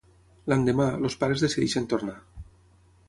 L'endemà, els pares decideixen tornar.